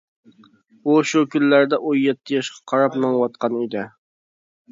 ئۇ شۇ كۈنلەردە ئون يەتتە ياشقا قاراپ مېڭىۋاتقان ئىدى.